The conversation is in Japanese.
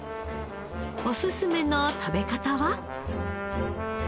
おすすめの食べ方は？